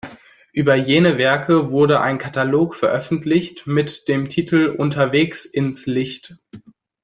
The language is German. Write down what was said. Über jene Werke wurde ein Katalog veröffentlicht mit dem Titel "Unterwegs ins Licht".